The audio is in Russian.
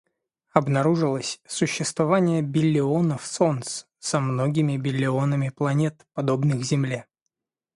Обнаружилось существование биллионов солнц со многими биллионами планет, подобных Земле.